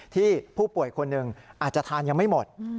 ที่ผู้ป่วยคนหนึ่งอาจจะทานยังไม่หมด